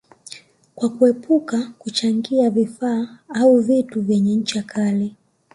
kwa kuepuka kuchangia vifaa au vitu vyenye ncha kali